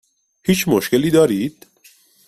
هیچ مشکلی دارید؟